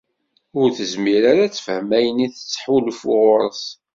ur tezmir ara ad tefhem ayen i tettḥulfu ɣur-s.